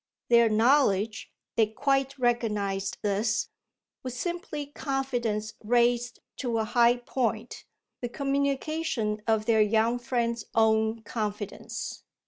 Their knowledge they quite recognised this was simply confidence raised to a high point, the communication of their young friend's own confidence.